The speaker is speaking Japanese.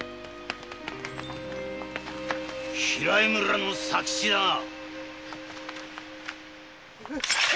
平井村の佐吉だな！